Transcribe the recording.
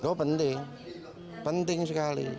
oh penting penting sekali